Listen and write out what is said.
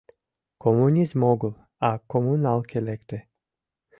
Коммунизм огыл, а коммуналке лекте...